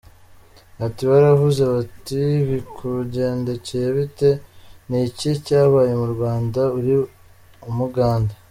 Ati “Baravuze bati bikugendekeye bite, ni iki cyabaye mu Rwanda? Uri umugande.